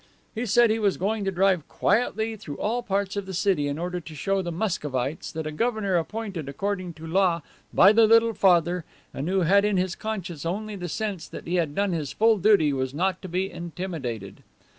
He said he was going to drive quietly through all parts of the city, in order to show the Muscovites that a governor appointed according to law by the Little Father and who had in his conscience only the sense that he had done his full duty was not to be intimidated.